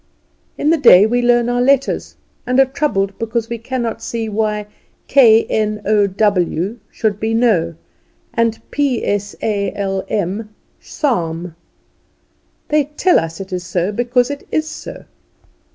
In the day we learn our letters, and are troubled because we cannot see why k n o w should be know, and p s a l m psalm. They tell us it is so because it is so.